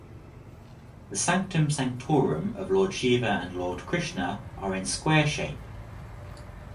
The Sanctum Sanctorum of Lord Shiva and Lord Krishna are in square shape.